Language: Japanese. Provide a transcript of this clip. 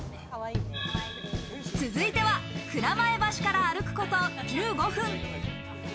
続いては蔵前橋から歩くこと１５分。